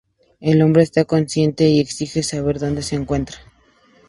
El hombre está consciente y exige saber dónde se encuentra.